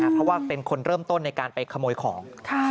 เพราะว่าเป็นคนเริ่มต้นในการไปขโมยของ